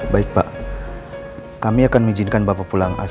bapak mau diajar sama nreses